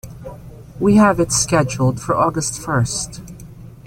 We have it scheduled for August first.